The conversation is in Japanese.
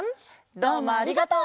どうもありがとう！